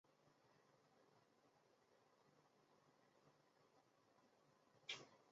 田中义一。